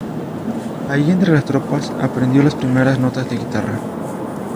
Allí entre las tropas, aprendió las primeras notas de guitarra.